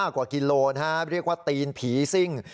กว่ากิโลเรียกว่าตีนผีซิ่ง